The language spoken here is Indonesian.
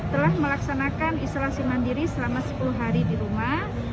telah melaksanakan isolasi mandiri selama sepuluh hari di rumah